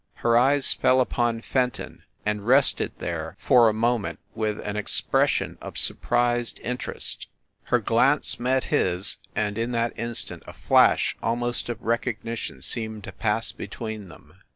Her eyes fell upon Fenton, and rested there for a THE REPORTER OF "THE ITEM." 115 moment, with an expression of surprised interest. Her glance met his, and in that instant a flash almost of recognition seemed to pass between them.